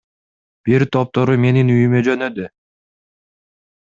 Бир топтору менин үйүмө жөнөдү.